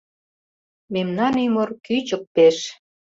Мемнан ӱмыр кӱчык пеш